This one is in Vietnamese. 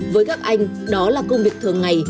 với các anh đó là công việc thường ngày